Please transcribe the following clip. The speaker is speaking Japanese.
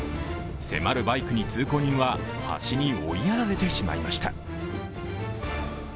迫るバイクに通行人は、端に追いやられてしまいました。